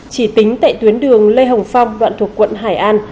chỉ tính tại tuyến đường lê hồng phong đoạn thuộc quận hải an